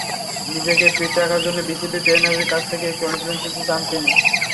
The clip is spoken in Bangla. নিজেকে ফিট রাখার জন্য বিসিবির ট্রেনারের কাছ থেকে একটি অনুশীলনসূচি চান তিনি।